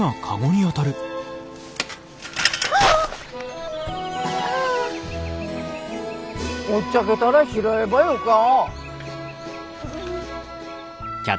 落っちゃけたら拾えばよか。